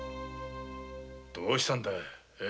どうしたんだい？